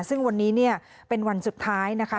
ซึ่งวันนี้เนี่ยเป็นวันสุดท้ายนะคะ